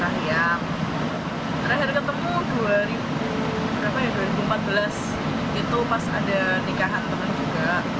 terakhir ketemu dua ribu empat belas itu pas ada nikahan temen juga